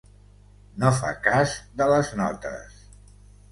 No fa cas de les notes.